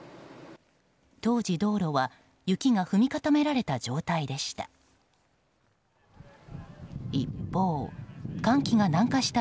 当時、道路は雪が踏み固められた状態でした。